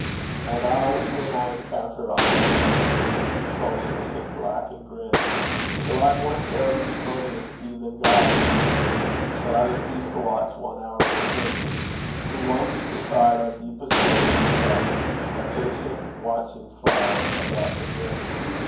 And I when I encounter on my road A human soul that looketh black and grim, Shall I more ceremonious be than God? Shall I refuse to watch one hour with him Who once beside our deepest woe did bud A patient watching flower about the brim.